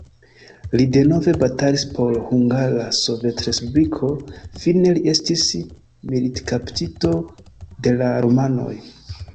Li denove batalis por Hungara Sovetrespubliko, fine li estis militkaptito de la rumanoj.